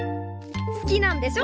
好きなんでしょ？